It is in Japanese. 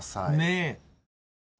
ねえ。